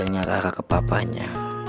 sayangnya rara ke papanya